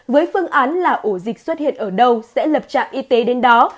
với phương án là ổ dịch xuất hiện ở đâu sẽ lập trạm y tế đến đó